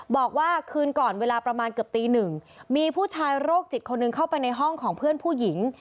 บอกว่าคืนก่อนเวลาประมาณเกือบตีหนึ่งมีผู้ชายโรคจิตคนหนึ่งเข้าไปในห้องของเพื่อนผู้หญิง